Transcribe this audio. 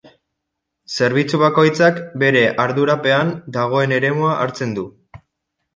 Zerbitzu bakoitzak bere ardurapean dagoen eremua hartzen du.